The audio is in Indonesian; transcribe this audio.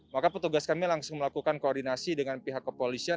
maka petugas kami langsung melakukan koordinasi dengan pihak kepolisian